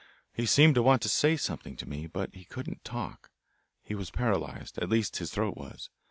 He seemed to want to say something to me, but he couldn't talk. He was paralysed, at least his throat was.